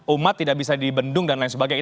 umat tidak bisa dibendung dan lain sebagainya